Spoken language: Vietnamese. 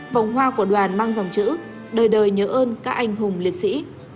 vòng hoa của đoàn mang dòng chữ đời đời nhớ ơn các anh hùng liệt sĩ